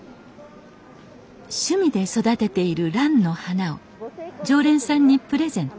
趣味で育てている蘭の花を常連さんにプレゼント